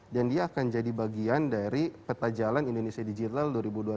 dan dia akan jadi bagian dari peta jalan indonesia digital dua ribu dua puluh satu dua ribu dua puluh empat